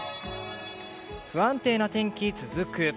不安定な天気続く。